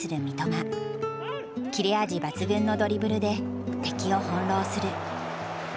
切れ味抜群のドリブルで敵を翻弄する。